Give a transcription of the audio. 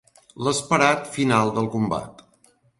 L'esperat final del combat.